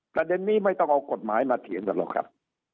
ประเด็นนี้ไม่ต้องเอากฎหมายมาเถียงกันหรอกครับ